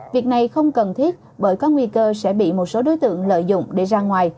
việc này không cần thiết bởi có nguy cơ sẽ bị một số đối tượng lợi dụng để ra ngoài